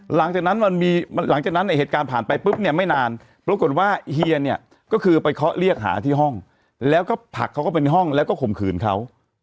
หลังจากนั้นมันมีหลังจากนั้นในเหตุการณ์ผ่านไปปุ๊บเนี่ยไม่นานปรากฏว่าเฮียเนี่ยก็คือไปเคาะเรียกหาที่ห้องแล้วก็ผลักเขาก็เป็นห้องแล้วก็ข่มขืนเขา